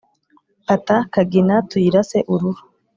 Fata Kagina tuyirase-Ururo.